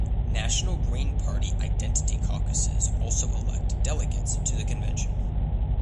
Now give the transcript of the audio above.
National Green Party Identity Caucuses also elect delegates to the convention.